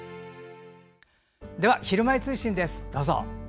では「ひるまえ通信」です。